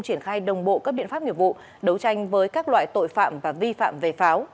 triển khai đồng bộ các biện pháp nghiệp vụ đấu tranh với các loại tội phạm và vi phạm về pháo